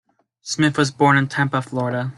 Smith was born in Tampa, Florida.